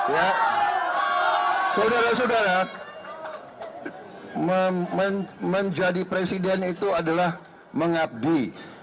ya saudara saudara menjadi presiden itu adalah mengabdi